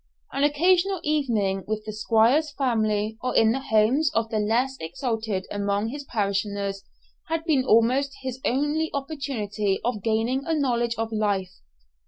An occasional evening with the Squire's family or in the homes of the less exalted among his parishioners, had been almost his only opportunity of gaining a knowledge of life.